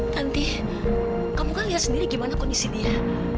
tanti kamu kan lihat sendiri gimana kondisi dia